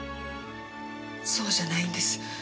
そうじゃないんです。